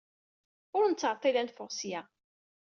Ur nettɛeḍḍil ad neffeɣ seg-a.